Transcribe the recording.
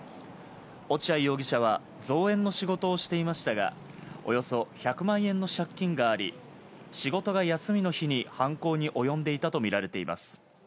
落合容疑者は造園の仕事をしていましたが、およそ１００万円の借金があり、仕事が休みの日に犯行に及んでいたとみられています。